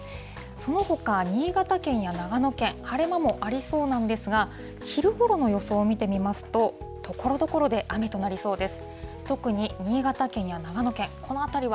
そのほか新潟県や長野県、晴れ間もありそうなんですが、昼ごろの予想を見てみますと、ところどころで雨となりそうです。